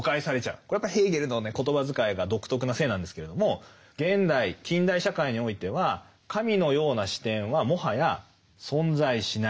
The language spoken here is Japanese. これやっぱヘーゲルの言葉遣いが独特なせいなんですけれども現代・近代社会においては神のような視点はもはや存在しない。